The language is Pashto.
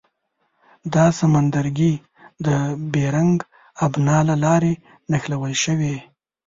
دا سمندرګي د بیرنګ ابنا له لارې نښلول شوي.